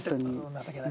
情けない。